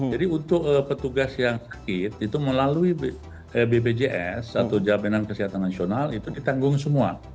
jadi untuk petugas yang sakit itu melalui bpjs atau jaminan kesehatan nasional itu ditanggung semua